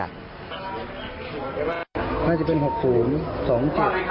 อาจจะเป็น๖๐๒๗๗๕